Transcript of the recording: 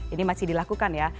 ini masih dilakukan ya